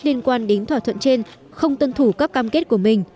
liên quan đến thỏa thuận trên không tuân thủ các cam kết của mình